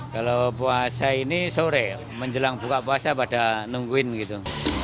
kalau puasa ini sore menjelang buka puasa pada nungguin gitu